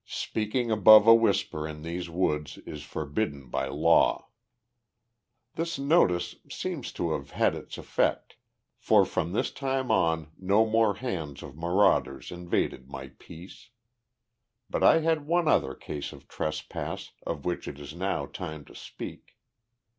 Speaking above a whisper in these woods is forbidden by law. This notice seems to have had its effect, for from this time on no more hands of marauders invaded my peace. But I had one other case of trespass, of which it is now time to speak.